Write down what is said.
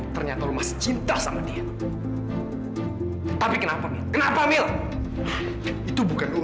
jangan lupa juli pasti akan membantu kamu